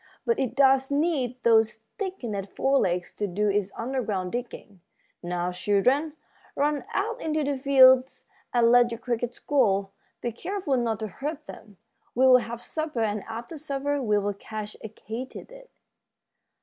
But it does need those thickened fore legs to do its underground digging. Now, children, run out into the fields and let your crickets go. Be careful not to hurt them. We'll have supper, and after supper we'll catch a katydid."